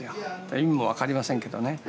意味も分かりませんけどね。